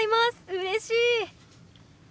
うれしい！